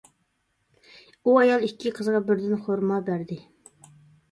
ئۇ ئايال ئىككى قىزىغا بىردىن خورما بەردى.